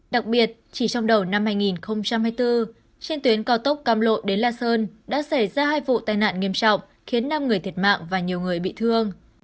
đặc biệt chỉ trong đầu năm hai nghìn hai mươi bốn trên tuyến cao tốc cam lộ đến la sơn đã xảy ra hai vụ tai nạn nghiêm trọng khiến năm người thiệt mạng và nhiều người bị thương